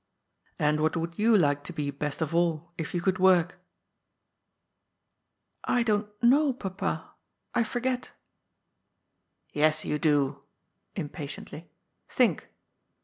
^' And what would you like to be best of all, if you could work ?"I don't know. Papa. I forget." « Yes, you do "—impatiently. « Think."